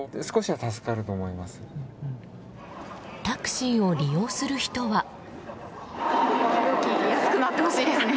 タクシーを利用する人は。